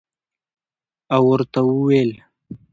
او ورته ووېل